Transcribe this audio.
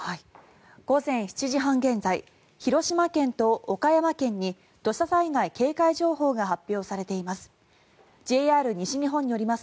午前７時半現在広島県と岡山県に土砂災害警戒情報が発表されています。